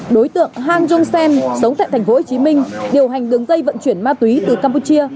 đối tượng hang jung sen sống tại tp hcm điều hành đường dây vận chuyển ma túy từ campuchia